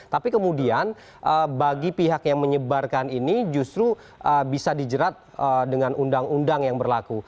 tapi kemudian bagi pihak yang menyebarkan ini justru bisa dijerat dengan undang undang yang berlaku